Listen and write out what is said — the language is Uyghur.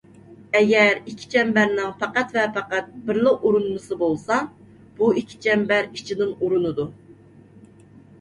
ئەگەر ئىككى چەمبەرنىڭ پەقەت ۋە پەقەت بىرلا ئۇرۇنمىسى بولسا، بۇ ئىككى چەمبەر ئىچىدىن ئۇرۇنىدۇ.